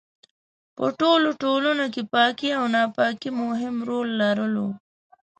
په ټولو ټولنو کې پاکي او ناپاکي مهم رول لرلو.